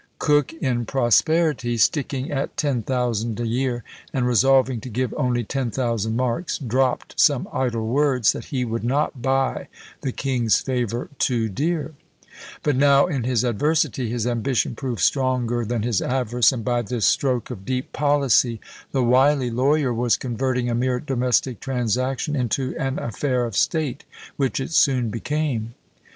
Coke, in prosperity, "sticking at ten thousand a year, and resolving to give only ten thousand marks, dropped some idle words, that he would not buy the king's favour too dear;" but now in his adversity, his ambition proved stronger than his avarice, and by this stroke of deep policy the wily lawyer was converting a mere domestic transaction into an affair of state, which it soon became.